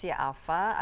ya ada dari indonesia